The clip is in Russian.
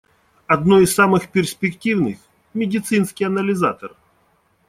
Одно из самых перспективных — медицинский анализатор.